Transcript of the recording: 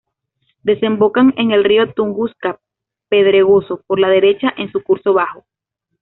Desemboca en el río Tunguska Pedregoso por la derecha, en su curso bajo.